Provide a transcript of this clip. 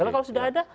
kalau sudah ada